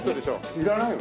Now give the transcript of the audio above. いらないよ。